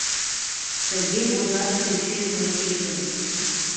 Тыге возаш тӧчем мый кечын.